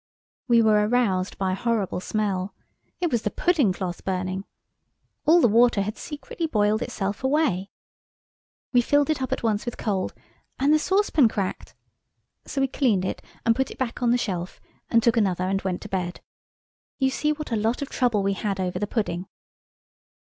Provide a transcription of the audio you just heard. We were aroused by a horrible smell. It was the pudding cloth burning. All the water had secretly boiled itself away. We filled it up at once with cold, and the saucepan cracked. So we cleaned it and put it back on the shelf and took another and went to bed. You see what a lot of trouble we had over the pudding.